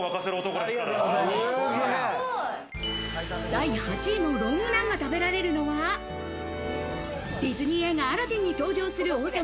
第８位のロング・ナンが食べられるのは、ディズニー映画『アラジン』に登場する王様